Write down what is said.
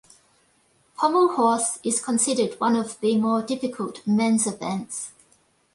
Pommel horse is considered one of the more difficult men's events.